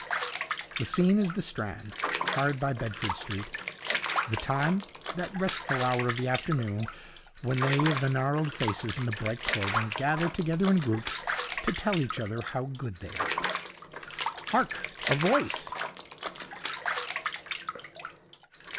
The scene is the Strand, hard by Bedford Street; the time, that restful hour of the afternoon when they of the gnarled faces and the bright clothing gather together in groups to tell each other how good they are. Hark! A voice.